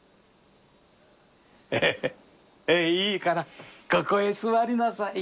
いいからここへ座りなさい。